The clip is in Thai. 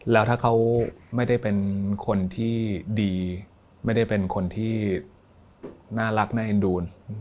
แล้วถ้าเขาไม่ได้เป็นคนที่ดีไม่ได้เป็นคนที่น่ารักน่าเอ็นดูน